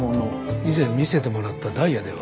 以前見せてもらったダイヤでは？